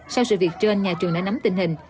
sau sự việc trên nhà trường đã nắm tình hình